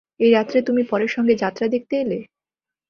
এই রাত্রে তুমি পরের সঙ্গে যাত্রা দেখতে এলে?